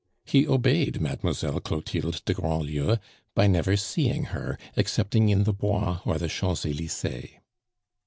He obeyed Mademoiselle Clotilde de Grandlieu by never seeing her excepting in the Bois or the Champs Elysees.